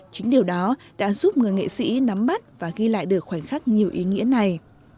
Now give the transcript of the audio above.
chính điều đó đã giúp người nghệ sĩ nắm bắt và ghi lại được khoảnh khắc nhiều ý nghĩa này